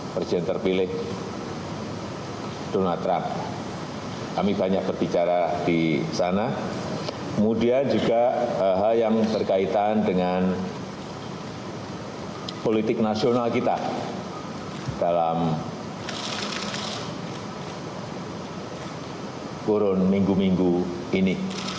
presiden terpilih donald trump kami banyak berbicara di sana kemudian juga hal hal yang berkaitan dengan politik nasional kita dalam kurun minggu minggu ini